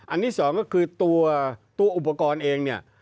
ที่สองก็คือตัวอุปกรณ์เองเนี่ย